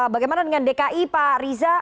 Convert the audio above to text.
bagaimana dengan dki pak riza